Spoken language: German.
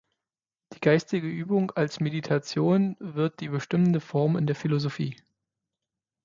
Die geistige Übung als Meditation wird die bestimmende Form in der Philosophie.